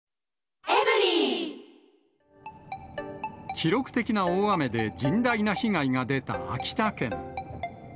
記録的な大雨で甚大な被害が出た秋田県。